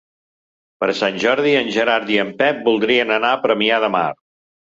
Per Sant Jordi en Gerard i en Pep voldrien anar a Premià de Mar.